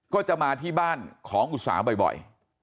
ก็จะมาที่บ้านของอุตสาหบ่อย